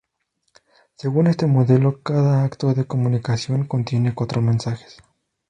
Según este modelo, cada acto de comunicación contiene cuatro mensajes.